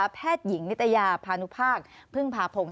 แพทย์หญิงนิตยาพานุภาคพึ่งพาพงศ์